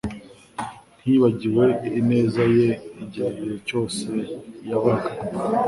Ntiyibagiwe ineza ye igihe cyose yabaga.